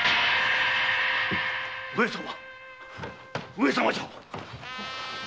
上様上様じゃ！